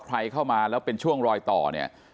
ใครเข้ามาแล้วเป็นช่วงรอยต่อเนี่ย